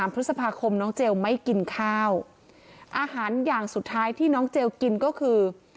พฤษภาคมน้องเจลไม่กินข้าวอาหารอย่างสุดท้ายที่น้องเจลกินก็คือ